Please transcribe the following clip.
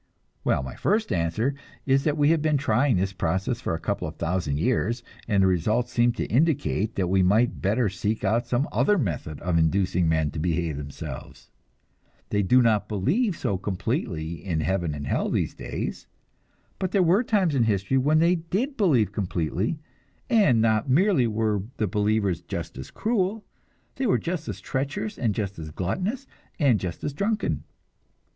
Well, my first answer is that we have been trying this process for a couple of thousand years, and the results seem to indicate that we might better seek out some other method of inducing men to behave themselves. They do not believe so completely in heaven and hell these days, but there were times in history when they did believe completely, and not merely were the believers just as cruel, they were just as treacherous and just as gluttonous and just as drunken.